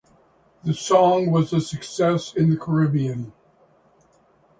The song was a success in the Caribbean.